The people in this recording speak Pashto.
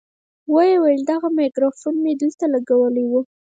ويې ويل دغه ميکروفون مې دلته لګولى و.